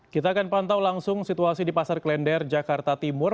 kita akan pantau langsung situasi di pasar klender jakarta timur